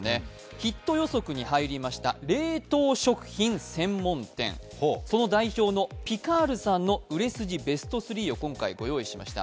ヒット予測に入りました冷凍食品専門店、その代表のピカールさんの売れ筋ベスト３をご用意しました。